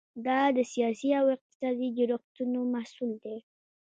دا د سیاسي او اقتصادي جوړښتونو محصول دی.